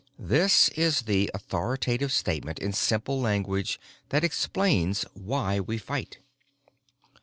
This is the authoritative statement in simple language that explains why we fight.